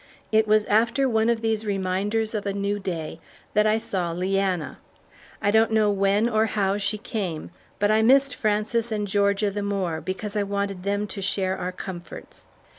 It was after one of these reminders of a new day that I saw Leanna. I don't know when or how she came, but I missed Frances and Georgia the more because I wanted them to share our comforts.